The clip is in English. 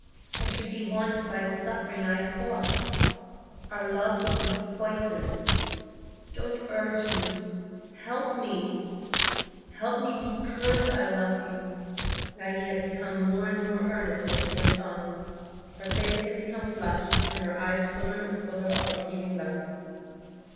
I should be haunted by the suffering I had caused. Our love would be poisoned. Don't urge me; help me,—help me, because I love you." Maggie had become more and more earnest as she went on; her face had become flushed, and her eyes fuller and fuller of appealing love.